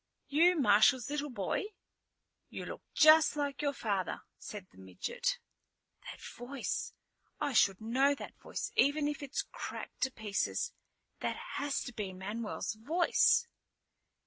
"You Marshal's little boy? You look just like your father," said the midget. "That voice, I should know that voice even if it's cracked to pieces. That has to be Manuel's voice."